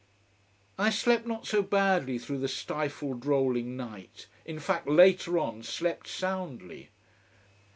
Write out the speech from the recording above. I slept not so badly through the stifled, rolling night in fact later on slept soundly.